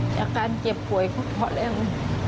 แต่การเก็บป่วยก็ก็แปลง